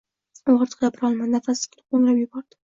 U ortiq gapirolmadi, nafasi tiqilib, ho‘ngrab yubordi.